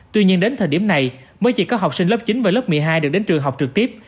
tuy nhiên đến thời điểm này mới chỉ có học sinh lớp chín và lớp một mươi hai được đến trường học trực tiếp